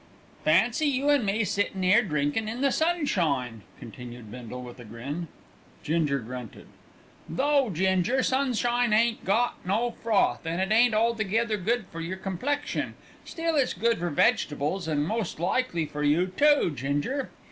"Fancy you an' me sittin' 'ere drinkin' in the sunshine," continued Bindle with a grin. Ginger grunted. "Though, Ginger, sunshine ain't got no froth, an' it ain't altogether good for yer complexion, still it's good for vegetables and most likely for you too, Ginger.